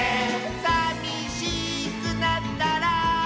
「さみしくなったら」